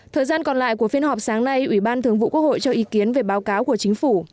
thời gian còn lại của phiên họp sáng nay ủy ban thường vụ quốc hội cho ý kiến về báo cáo của chính phủ